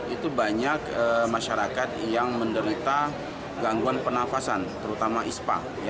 itu banyak masyarakat yang menderita gangguan pernafasan terutama ispa